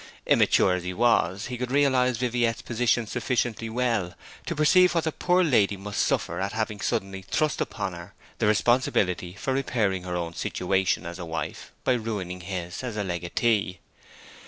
Immature as he was, he could realize Viviette's position sufficiently well to perceive what the poor lady must suffer at having suddenly thrust upon her the responsibility of repairing her own situation as a wife by ruining his as a legatee.